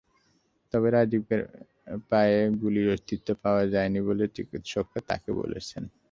তবে রাজীবের পায়ে গুলির অস্তিত্ব পাওয়া যায়নি বলে চিকিৎসকেরা তাঁকে বলেছেন।